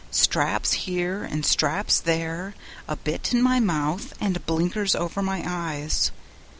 Straps here and straps there, a bit in my mouth, and blinkers over my eyes.